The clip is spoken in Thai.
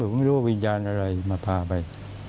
แต่คงไม่รู้วิญญาณอะไรมาพาไป